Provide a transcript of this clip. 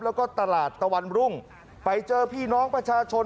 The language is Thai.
แล้วก็ตลาดตะวันรุ่งไปเจอพี่น้องประชาชน